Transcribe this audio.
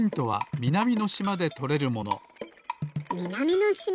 みなみのしま？